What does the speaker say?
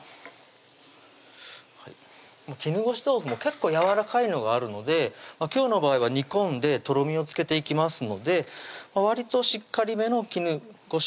絹ごし豆腐も結構やわらかいのがあるので今日の場合は煮込んでとろみをつけていきますのでわりとしっかりめの絹ごし